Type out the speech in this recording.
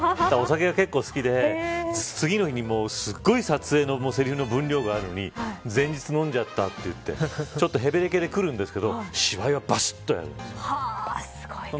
お酒が結構好きで次の日にすごい撮影のセリフの分量があるのに前日飲んじゃったと言ってへべれけで来るんですけど芝居は、ばしっとやるんですよ。